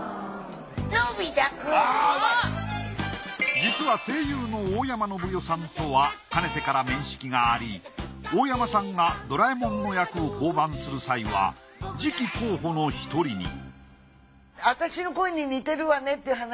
実は声優の大山のぶ代さんとはかねてから面識があり大山さんがドラえもんの役を降板する際は次期候補の一人にえっ！？